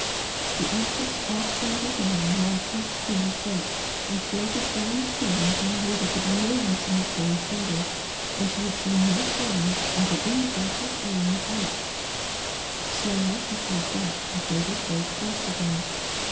The anxious, half frenzied man now cast free his boat, and floated down the stream until he knew there could be no use in his going further, and he had seen no sign either in the water or on the bank. Slowly he pulled back and made his boat fast again.